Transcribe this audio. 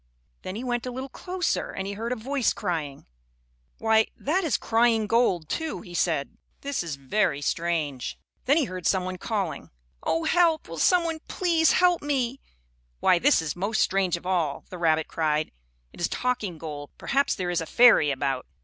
Then he went a little closer and he heard a voice crying. "Why, that is crying gold, too," he said. "This is very strange." Then he heard some one calling: "Oh, help! Will some one please help me?" "Why, this is most strange of all!" the rabbit cried. "It is talking gold. Perhaps there is a fairy about."